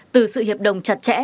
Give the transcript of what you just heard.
từ sự hiệp đồng chặt chẽ